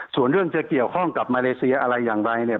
ส่วนเรื่องจะเกี่ยวข้องกับมาเลเซียอะไรอย่างไรเนี่ย